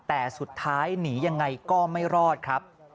แต่สุดท้ายหนียังไงก็ไม่รอดครับ